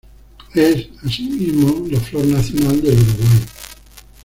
Es, asimismo, la flor nacional del Uruguay.